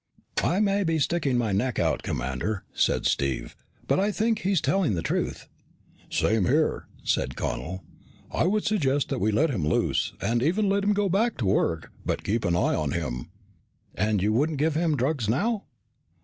"I may be sticking my neck out, Commander," said Steve, "but I think that he's telling the truth." "Same here," said Connel. "I would suggest that we let him loose, and even let him go back to work, but keep an eye on him." "And you wouldn't give him drugs now?"